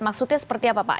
maksudnya seperti apa pak